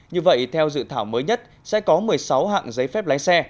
như vậy theo dự thảo mới nhất sẽ có một mươi sáu hạng giấy phép lái xe